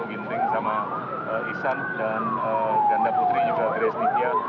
ginting sama isan dan ganda putri juga grace nikia